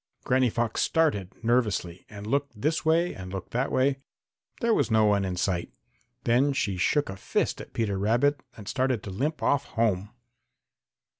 Granny Fox started nervously and looked this way and looked that way. There was no one in sight. Then she shook a fist at Peter Rabbit and started to limp off home.